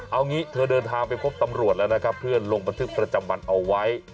เอางี้เธอเดินทางไปพบตำรวจแล้วนะครับเพื่อลงบันทึกประจำวันเอาไว้